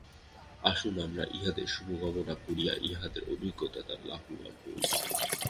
আসুন, আমরা ইঁহাদের শুভকামনা করিয়া ইঁহাদের অভিজ্ঞতা দ্বারা লাভবান হই।